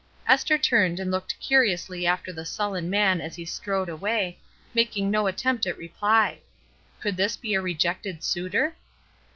Esther turned and looked curiously after the sullen man as he strode away, making no at tempt at reply. Could this be a rejected suitor